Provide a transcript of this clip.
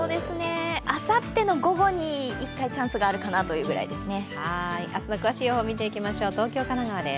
あさっての午後に１回チャンスがあるかなと言う感じですね。